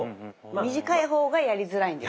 短い方がやりづらいんですね。